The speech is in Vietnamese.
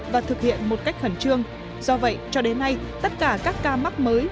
và thực hiện một cách khẩn trương do vậy cho đến nay tất cả các ca mắc mới